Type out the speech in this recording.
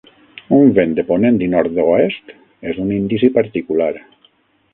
Un vent de ponent i nord-oest és un indici particular.